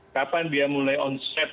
kapan dia mulai onset